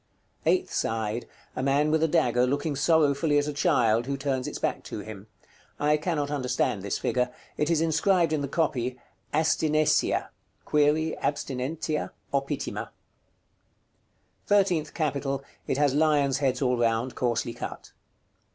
Eighth side. A man with a dagger looking sorrowfully at a child, who turns its back to him. I cannot understand this figure. It is inscribed in the copy, "ASTINECIA (Abstinentia?) OPITIMA." § CII. THIRTEENTH CAPITAL. It has lions' heads all round, coarsely cut.